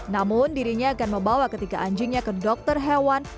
namun dirinya akan membawa ketiga anjingnya ke dokter hewan